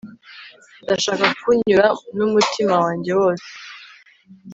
ndashaka kukunyura n'umutima wanjye wose